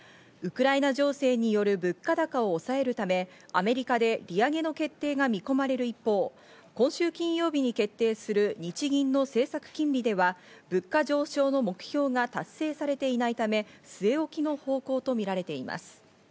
ウクライナ情勢による物価高を抑えるため、アメリカで利上げの決定が見込まれる一方、今週金曜日に決定する日銀の政策金利では物価上昇の目標が達成されていないため、据え置きの方向とみられています。